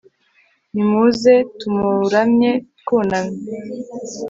nimuze tumuramye twunamye